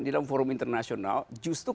di dalam forum internasional justru